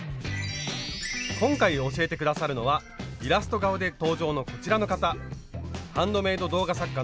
今回教えて下さるのはイラスト顔で登場のこちらの方。